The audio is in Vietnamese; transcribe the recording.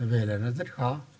về là nó rất khó